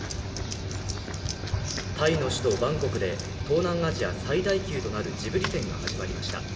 タイの首都バンコクで東南アジア最大級となるジブリ展が始まりました。